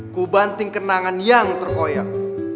ku banting kenangan yang terkoyak